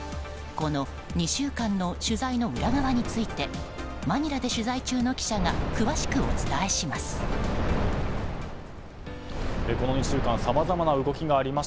この２週間の取材の裏側についてマニラで取材中の記者が詳しくお伝えします。